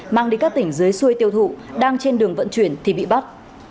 mang đi các tỉnh dưới xuôi tiêu thụ đang trên đường vận chuyển thì bị bắt